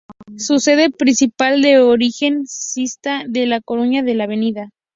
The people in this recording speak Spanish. Su sede principal de origen sita en La Coruña en la Av.